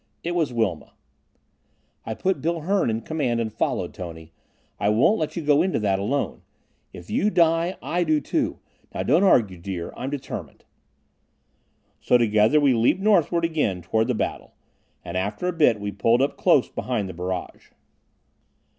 It was Wilma. "I put Bill Hearn in command and followed, Tony. I won't let you go into that alone. If you die, I do, too. Now don't argue, dear. I'm determined." So together we leaped northward again toward the battle. And after a bit we pulled up close behind the barrage.